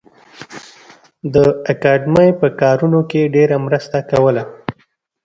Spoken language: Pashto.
د اکاډمۍ په کارونو کې ډېره مرسته کوله